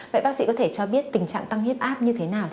vậy bác sĩ có thể cho biết tình trạng tăng huyết áp như thế nào